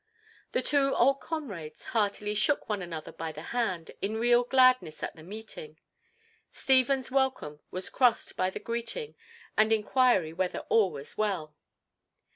The two old comrades heartily shook one another by the hand in real gladness at the meeting. Stephen's welcome was crossed by the greeting and inquiry whether all was well.